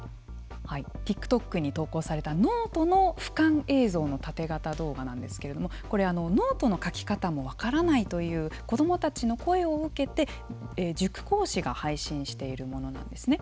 ＴｉｋＴｏｋに投稿されたノートのふかん映像のタテ型動画なんですけれどもこれ、ノートの書き方も分からないという子どもたちの声を受けて塾講師が配信しているものなんですね。